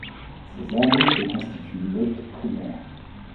Ces arbustes constituent l'hôte primaire.